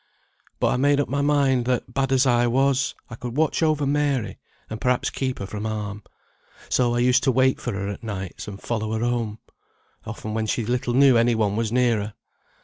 But I made up my mind, that bad as I was, I could watch over Mary and perhaps keep her from harm. So I used to wait for her at nights, and follow her home, often when she little knew any one was near her.